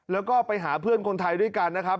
แล้วก็ไปหาเพื่อนคนไทยด้วยกันนะครับ